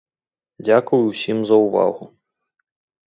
Дзякуй усім за ўвагу.